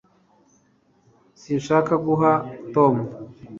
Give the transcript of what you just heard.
sinshaka guha tom